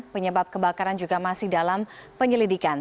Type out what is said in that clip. penyebab kebakaran juga masih dalam penyelidikan